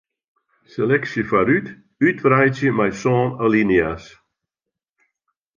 Seleksje foarút útwreidzje mei sân alinea's.